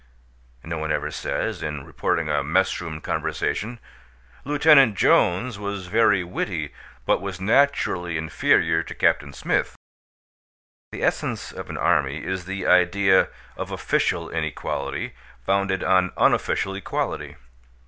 No one ever says, in reporting a mess room conversation, "Lieutenant Jones was very witty, but was naturally inferior to Captain Smith." The essence of an army is the idea of official inequality, founded on unofficial equality.